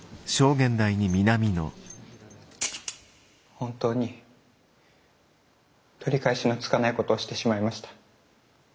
本当に取り返しのつかないことをしてしまいました。